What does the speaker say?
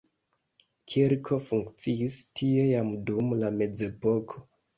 Kirko funkciis tie jam dum la mezepoko.